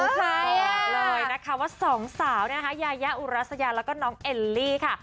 ใช่บอกเลยนะคะว่าสองสาวนะคะยายาอุรัสยาแล้วก็น้องเอลลี่ค่ะ